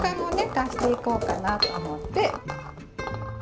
足していこうかなと思って。